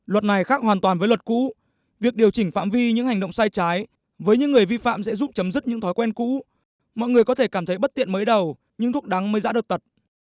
luật này khác hoàn toàn với luật cũ việc điều chỉnh phạm vi những hành động sai trái với những người vi phạm sẽ giúp chấm dứt những thói quen cũ mọi người có thể cảm thấy bất tiện mới đầu nhưng thuốc đắng mới giã được tật